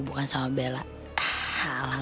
bukan sama bella